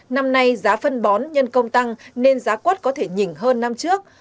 năm nay giá phân bón nhân công tăng nên giá quất có thể nhìn hơn năm trước